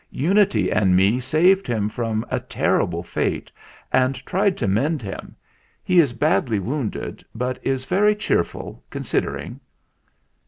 "Unity and me saved him from a terrible fate, and tried to mend him. He is badly wounded, but is very cheerful, con sidering."